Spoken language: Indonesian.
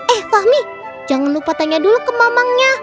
eh fahmi jangan lupa tanya dulu ke mamangnya